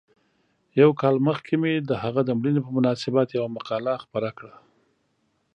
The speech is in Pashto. یو کال مخکې مې د هغه د مړینې په مناسبت یوه مقاله خپره کړه.